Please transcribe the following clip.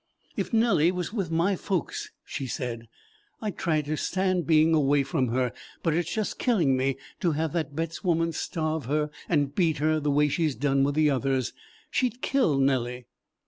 "If Nellie was with my folks," she said, "I'd try to stand being away from her; but it's just killing me to have that Betts woman starve her and beat her the way she's done with the others. She'd kill Nellie."